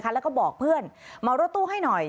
แล้วก็บอกเพื่อนมารถตู้ให้หน่อย